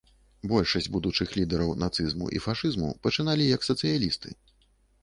Большасць будучых лідараў нацызму і фашызму пачыналі як сацыялісты.